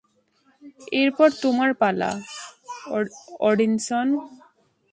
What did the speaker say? এরপর তোমার পালা, ওডিনসন!